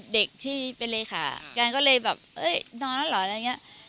เด็กที่เป็นเลขากันก็เลยแบบนอนแล้วเหรอ